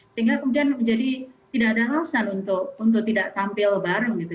sehingga kemudian menjadi tidak ada alasan untuk tidak tampil bareng gitu